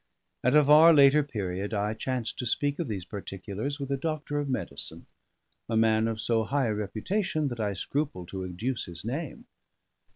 At a far later period I chanced to speak of these particulars with a doctor of medicine, a man of so high a reputation that I scruple to adduce his name.